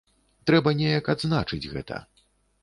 Трэба неяк адзначыць гэта.